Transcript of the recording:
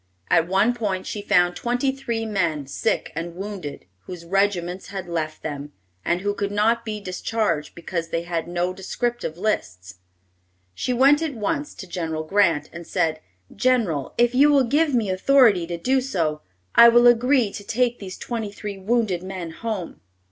At one point she found twenty three men, sick and wounded, whose regiments had left them, and who could not be discharged because they had no descriptive lists. She went at once to General Grant, and said, "General, if you will give me authority to do so, I will agree to take these twenty three wounded men home."